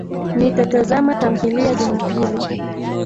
Nitatazama tamthilia Jumapili